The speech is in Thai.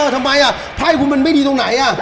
ทำไมผ้าให้กูมันไม่ดีตรงไหน